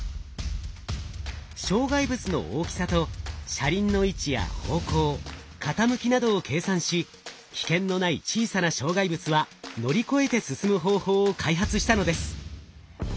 障害物の大きさと車輪の位置や方向傾きなどを計算し危険のない小さな障害物は乗り越えて進む方法を開発したのです。